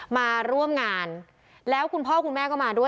มาร่วมงานแล้วคุณพ่อคุณแม่ก็มาด้วย